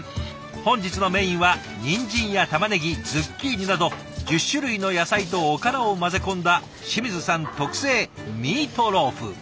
本日のメインはニンジンやタマネギズッキーニなど１０種類の野菜とおからを混ぜ込んだ清水さん特製ミートローフ。